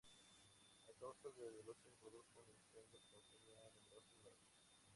A causa de la lucha se produjo un incendio que consumió a numerosos barcos.